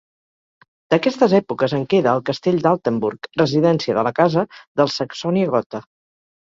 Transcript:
D'aquestes èpoques en queda el castell d'Altenburg, residència de la casa dels Saxònia-Gotha.